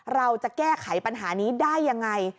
เราจะแก้ไขปัญหานี้ได้ยังไง